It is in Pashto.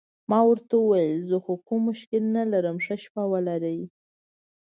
ما ورته وویل: زه خو کوم مشکل نه لرم، ښه شپه ولرئ.